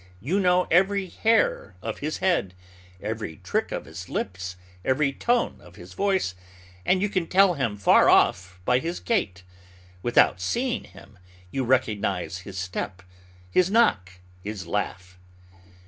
You know every hair of his head, every trick of his lips, every tone of his voice; you can tell him far off by his gait. Without seeing him, you recognize his step, his knock, his laugh.